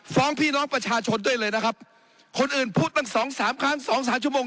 พี่น้องประชาชนด้วยเลยนะครับคนอื่นพูดตั้งสองสามครั้งสองสามชั่วโมง